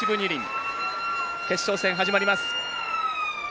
決勝戦、始まります。